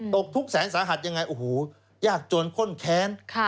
ตกทุกษ์แสนสาหัสยังไงยากจวนข้นแค้น